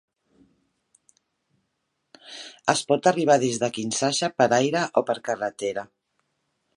Es pot arribar des de Kinshasa per aire o per carretera.